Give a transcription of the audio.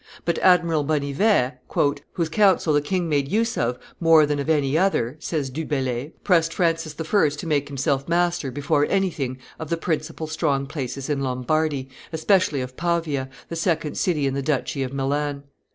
But Admiral Bonnivet, "whose counsel the king made use of more than of any other," says Du Bellay, pressed Francis I. to make himself master, before everything, of the principal strong places in Lombardy, especially of Pavia, the second city in the duchy of Milan.